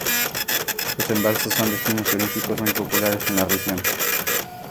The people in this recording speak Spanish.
Los embalses son destinos turísticos muy populares en la región.